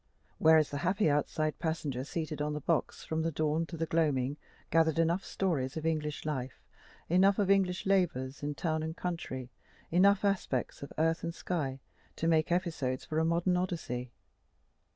Whereas, the happy outside passenger, seated on the box from the dawn to the gloaming, gathered enough stories of English life, enough of English labors in town and country, enough aspects of earth and sky, to make episodes for a modern Odyssey.